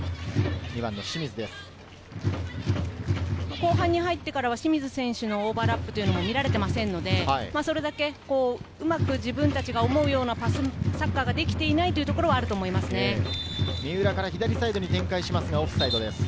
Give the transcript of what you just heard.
後半に入ってから清水選手のオーバーラップも見られていませんので、それだけうまく自分たちが思うようなパスサッカーができていないオフサイドです。